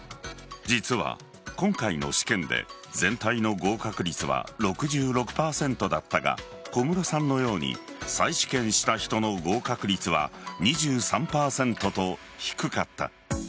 実は今回の試験で全体の合格率は６６％だったが小室さんのように再試験した人の合格率は２３％と低かった。